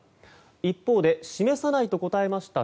一方で示さないと答えました